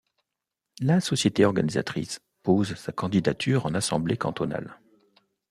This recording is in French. La société organisatrice pose sa candidature en assemblée cantonale.